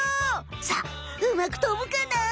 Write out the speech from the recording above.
さあうまく飛ぶかな？